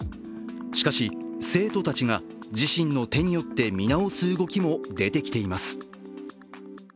しかし、生徒たちが自身の手によって見直す動きも出てきています。